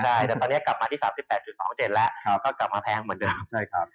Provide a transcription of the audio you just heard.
ใช่แต่ตอนนี้กลับมาที่๓๘๒๗แล้วก็กลับมาแพงเหมือนเดิมใช่ครับ